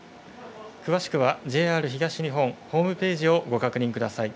詳しくはＪＲ東日本ホームページをご確認ください。